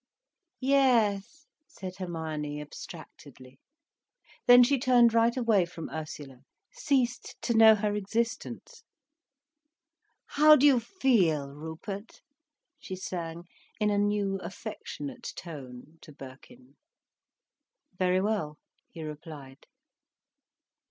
"Yes," said Hermione, abstractedly. Then she turned right away from Ursula, ceased to know her existence. "How do you feel, Rupert?" she sang in a new, affectionate tone, to Birkin. "Very well," he replied.